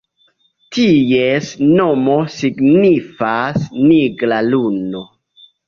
Ties nomo signifas "nigra luno".